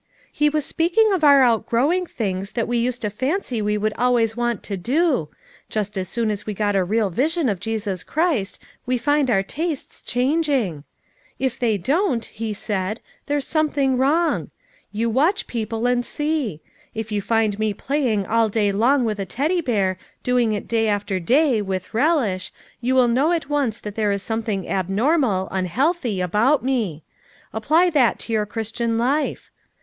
"He was speaking of our outgrowing things that we used to fancy we would always want to do ; just as soon as we get a real vision of Jesus Christ, we find our tastes changing. 'If they don't,' he said, 'there's something wrong. You watch people and see. If you find me playing all day long with a Teddy hear, doing it day after day, with relish, you will know at once that there is something abnormal, unhealthy, about me. Apply that to your Christian life.'